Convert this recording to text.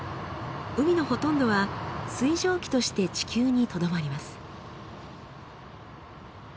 海のほとんどは水蒸気として地球にとどまります。